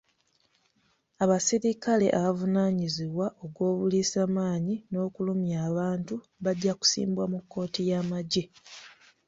Abaserikale abavunaanibwa ogw'obuliisamaanyi n'okulumya abantu bajja kusimbwa mu kkooti y'amagye.